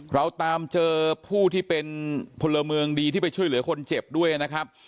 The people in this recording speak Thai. เราตามเจอผู้ที่เป็นพลเมืองดีที่ไปช่วยเหลือคนเจ็บด้วยนะครับ